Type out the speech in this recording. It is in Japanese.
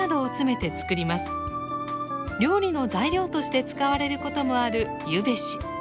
料理の材料として使われることもあるゆべし。